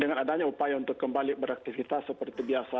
dengan adanya upaya untuk kembali beraktivitas seperti biasa